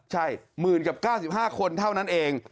ใช่หมื่นกับ๙๕คนเท่านั้นเอง